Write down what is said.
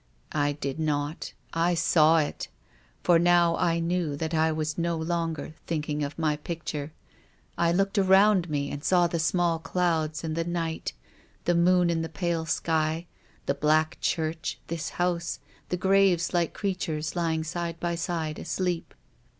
" I did not. I saw it. For now I knew that I was no longer thinking of my picture. I looked around me and saw the small clouds and the night, the moon in the pale sky, the black church, this house, the graves like creatures lying side by side asleep.